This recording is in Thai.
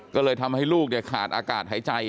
ก็เลยทำให้ลูกขาดอากาศหายใจ